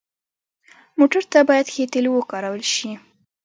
موټر ته باید ښه تیلو وکارول شي.